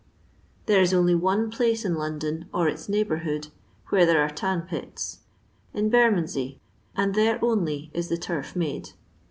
There is only one place in London or its neigh bourhood where there are tan pits — ^in Bermond sey— and there only is the turf made.